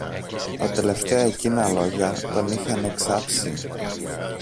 Τα τελευταία εκείνα λόγια τον είχαν εξάψει